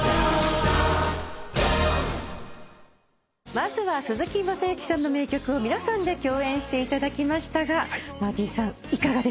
まずは鈴木雅之さんの名曲を皆さんで共演していただきましたがマーチンさんいかがでしたか？